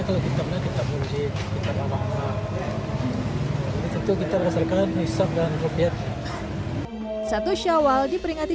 kalau kita punya kita mulai kita dalam itu kita berdasarkan hisap dan rukyat satu syawal diperingati